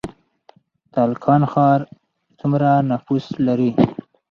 تالقان ښار څومره نفوس لري؟